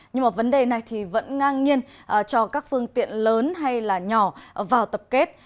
nhưng mà vấn đề này thì vẫn ngang nhiên cho các phương tiện lớn hay là nhỏ vào tập kết